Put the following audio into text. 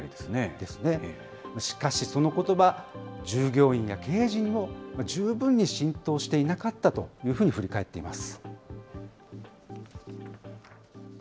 しかしそのことば、従業員や経営陣に十分に浸透していなかったというふうに振り返っています。